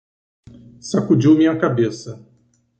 Sacudiu minha cabeça